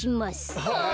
はあ！？